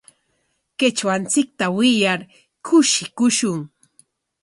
Qichwanchikta wiyar kushikushun.